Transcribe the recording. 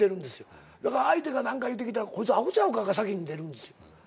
だから相手が何か言うてきたら「こいつアホちゃうか」が先に出るんですよ。